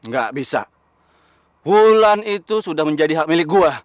nggak bisa wulan itu sudah menjadi hak milik gua